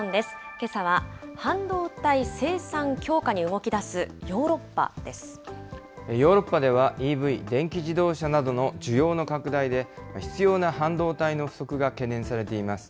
けさは、半導体生産強化に動き出ヨーロッパではＥＶ・電気自動車などの需要の拡大で、必要な半導体の不足が懸念されています。